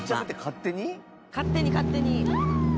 勝手に勝手に。